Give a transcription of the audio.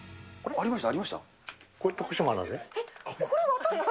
ありました？